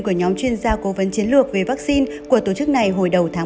của nhóm chuyên gia cố vấn chiến lược về vaccine của tổ chức này hồi đầu tháng một